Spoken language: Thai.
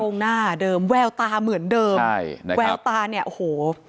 หน้าเดิมแววตาเหมือนเดิมใช่แววตาเนี่ยโอ้โห